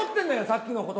さっきの事。